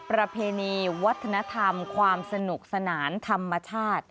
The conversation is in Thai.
ประเพณีวัฒนธรรมความสนุกสนานธรรมชาติ